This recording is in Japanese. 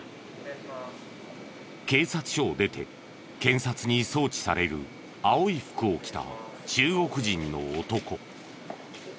警察署を出て検察に送致される青い服を着た中国人の男。